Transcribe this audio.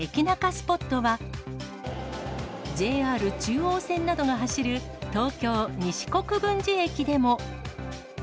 スポットは、ＪＲ中央線などが走る東京・西国分寺駅でも。